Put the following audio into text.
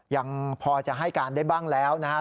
ยังพอจะให้การได้บ้างแล้วนะครับ